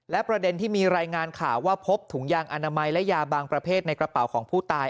และประเด็นที่มีรายงานข่าวว่าพบถุงยางอนามัยและยาบางประเภทในกระเป๋าของผู้ตาย